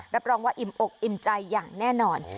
รับรองว่าอิ่มอกอิ่มใจอย่างแน่นอน